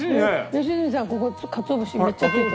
良純さんここ鰹節めっちゃ付いてる。